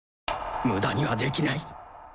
無駄にはできない。